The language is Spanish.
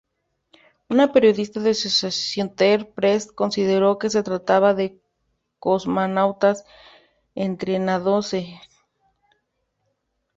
Un periodista de Associated Press consideró que se trataba de cosmonautas entrenándose.